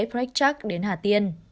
brechtak đến hà tiên